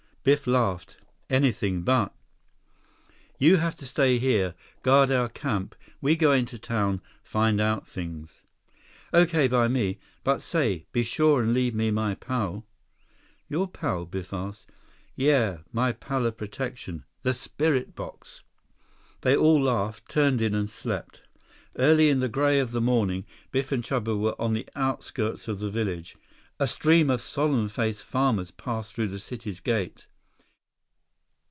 137 Biff laughed. "Anything but." "You have to stay here. Guard our camp. We go into town, find out things." "Okay by me. But say—be sure and leave me my pal." "Your pal?" Biff asked. "Yeah. My pal of protection—the spirit box." They all laughed, turned in and slept. Early in the gray of morning, Biff and Chuba were on the outskirts of the village. A stream of solemn faced farmers passed through the city's gate.